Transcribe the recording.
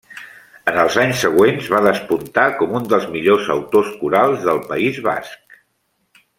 En els anys següents va despuntar com un dels millors autors corals del País Basc.